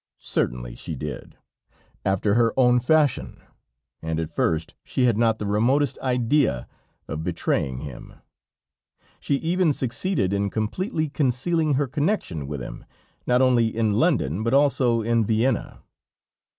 Certainly she did, after her own fashion, and at first she had not the remotest idea of betraying him; she even succeeded in completely concealing her connection with him, not only in London but also in Vienna.